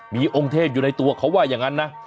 มีองค์เทพอยู่ในตัวเขาว่าอย่างนั้นนะ